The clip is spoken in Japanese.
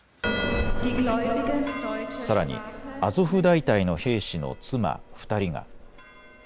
さらにアゾフ大隊の兵士の妻２人が。